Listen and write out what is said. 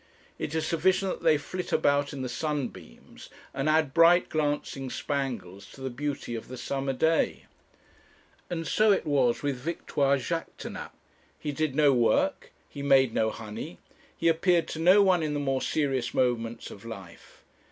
It is sufficient that they flit about in the sunbeams, and add bright glancing spangles to the beauty of the summer day. And so it was with Victoire Jaquêtanàpe. He did no work. He made no honey. He appeared to no one in the more serious moments of life.